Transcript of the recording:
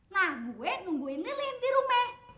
nah gue nungguin lilin di rumah